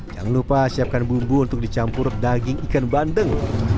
jangan lupa siapkan bumbu untuk dicampur daging ikan bandeng